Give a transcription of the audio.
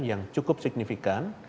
yang cukup signifikan